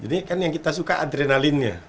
jadi kan yang kita suka adrenalinnya